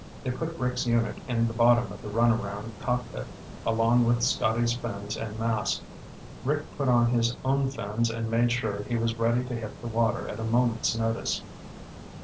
They put Rick's unit in the bottom of the runabout cockpit, along with Scotty's fins and mask. Rick put on his own fins and made sure he was ready to hit the water at a moment's notice.